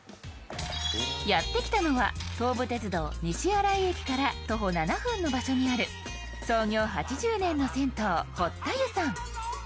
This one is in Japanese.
やってきたのは東武鉄道・西新井駅から徒歩７分の場所にある創業８０年の先頭堀田湯さん。